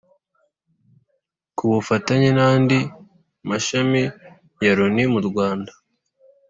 Ku bufatanye n’andi mashami ya Loni mu Rwanda